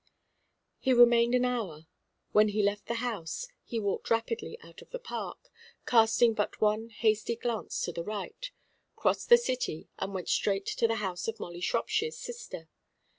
He remained an hour. When he left the house, he walked rapidly out of the Park, casting but one hasty glance to the right, crossed the city and went straight to the house of Molly Shropshire's sister.